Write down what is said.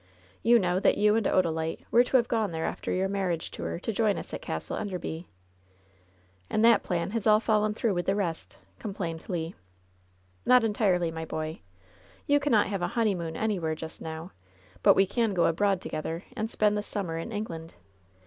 You know that you and Odalite were to have gone there after your marriage tour to join us at Castle Enderby.'' "And that plan has aU fallen through with the rest/* complained Le. "Not entirely, my boy. You cannot have a honey moon anywhere just now. But we can go abroad to gether, and spend the summer in England.